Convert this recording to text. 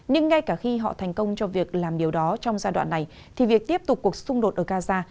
nhưng ngay cả khi họ thành công cho việc làm điều đó trong giai đoạn này thì việc tiếp tục cuộc xung đột ở gaza